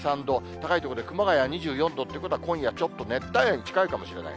高い所で熊谷は２４度ということは、今夜ちょっと熱帯夜に近いかもしれない。